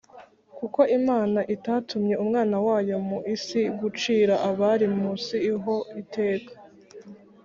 “Kuko Imana itatumye Umwana wayo mu isi gucira abari mu isi ho iteka: